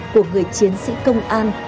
của người chiến sĩ công an